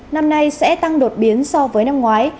năm nay sẽ tăng đột biến so với năm ngoái